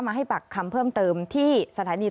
ให้ปากคำเพิ่มเติมที่สถานี